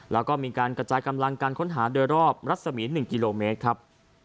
แล้วก็มีการกระจายกำลังการค้นหาโดยรอบรัศมี๑กิโลเมตรครับ